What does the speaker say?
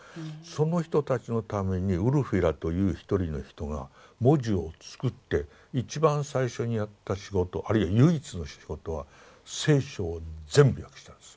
その人たちのためにウルフィラという一人の人が文字を作って一番最初にやった仕事あるいは唯一の仕事は聖書を全部訳したんです。